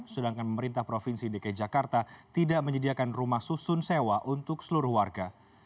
sedangkan pemerintah provinsi dki jakarta tidak menyediakan rumah susun sewa untuk seluruh warga